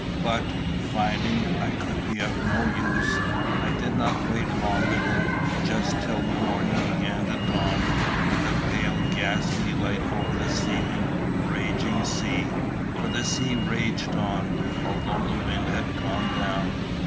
But, finding I could be of no use, I did not wait longer than just till the morning began to dawn with a pale ghastly light over the seething raging sea; for the sea raged on, although the wind had gone down.